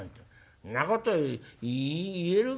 そんなこと言えるかよ。